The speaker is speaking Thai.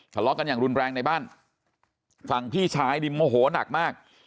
ทะเลาะกันอย่างรุนแรงในบ้านฝั่งพี่ชายนี่โมโหนักมาก